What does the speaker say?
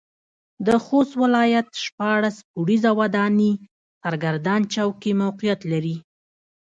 د خوست ولايت شپاړس پوړيزه وداني سرګردان چوک کې موقعيت لري.